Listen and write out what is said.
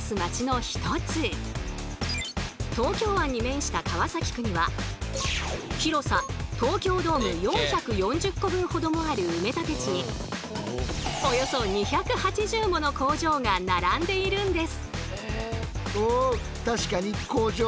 東京湾に面した川崎区には広さ東京ドーム４４０個分ほどもある埋め立て地におよそ２８０もの工場が並んでいるんです。